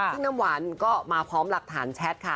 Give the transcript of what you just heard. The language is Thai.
ซึ่งน้ำหวานก็มาพร้อมหลักฐานแชทค่ะ